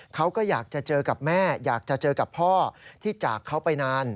เขาก็อยากจะเจอกับแม่อยากจะเจอกับพ่อที่จากเขาไปนาน